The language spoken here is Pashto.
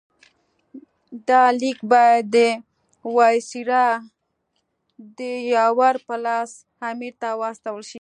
دا لیک باید د وایسرا د یاور په لاس امیر ته واستول شي.